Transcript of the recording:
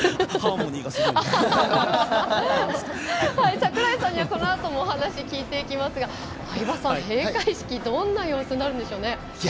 櫻井さんにはこのあともお話聞いていきますが相葉さん、閉会式はどんな様子になるんでしょうね。